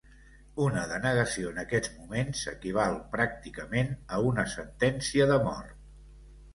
Una denegació en aquests moments equival pràcticament a una sentència de mort.